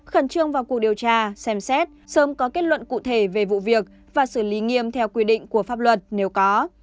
khẩn trương vào cuộc điều tra xem xét sớm có kết luận cụ thể về vụ việc và xử lý nghiêm theo quy định của pháp luật nếu có